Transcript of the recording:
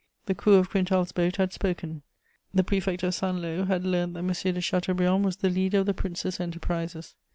The crew of Quintal's boat had spoken; the Prefect of Saint Lô had learnt that M. de Chateaubriand was the leader of the Princes' enterprises.